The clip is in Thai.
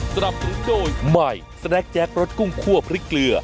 สำหรับทุกคนใหม่แสลคแจ๊ครถกุ้งครัวพริกเกลือ